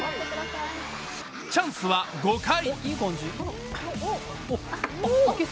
チャンスは５回。